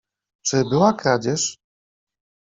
"Czy była kradzież?"